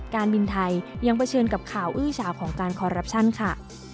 การบินไทยยังเผชิญกับข่าวอื้อเฉาของการคอรัปชั่นค่ะ